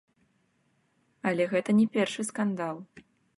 Але гэта не першы скандал.